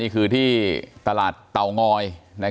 คือมีเท่าไหร่เอาหมดเลย